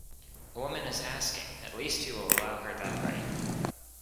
A woman is asking: at least you will allow her that right.